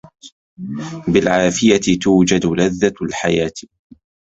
بالعافية توجد لذّة الحياة.